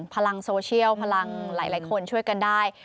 พลังโซเชียลพลังหลายคนช่วยกันได้